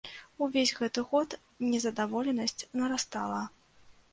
Увесь гэты год незадаволенасць нарастала.